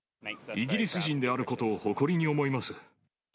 イギリス人であることを誇りに思います。